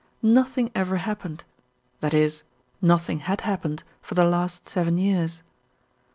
Nothing ever happened, that is nothing had happened for the last seven years.